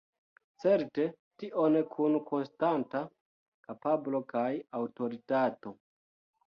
Certe tion kun konstanta kapablo kaj aŭtoritato.